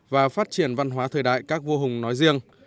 và phát triển văn hóa thời đại các vua hùng nói riêng